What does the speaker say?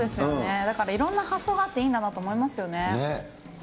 だからいろんな発想があっていいんだと思いますね。